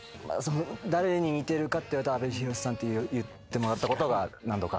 誰に似てるかっていわれたら阿部寛さんって言ってもらったことが何度か。